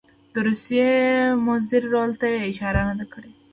د روسیې مضر رول ته یې اشاره نه ده کړې.